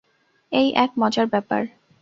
এই এক মজার ব্যাপার!